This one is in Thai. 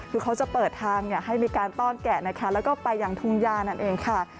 คือเขาจะเปิดทางให้มีการต้อนแกะนะคะแล้วก็ไปยังทุ่งยานั่นเองค่ะ